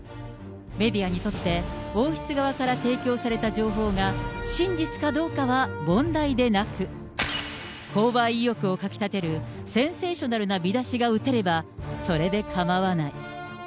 メディアにとって、王室側から提供された情報が真実かどうかは問題でなく、購買意欲をかき立てるセンセーショナルな見出しが打てれば、それで構わない。